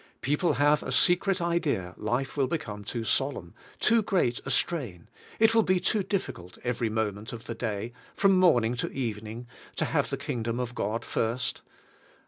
People have a secret idea life wall become too solemn, too great a strain ; it will be too difficult every moment of the day, from morning to evening, to have the Kingdom of God first.